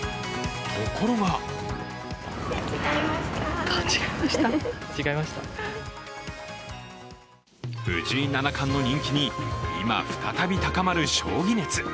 ところが藤井七冠の人気に今、再び高まる将棋熱。